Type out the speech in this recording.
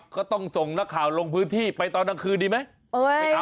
ก็ต้องส่งนักข่าวลงพื้นที่ไปตอนกลางคืนดีไหม